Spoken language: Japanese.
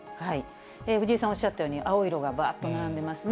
藤井さんおっしゃったように、青色が並んでますね。